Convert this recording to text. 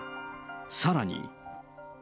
さらに。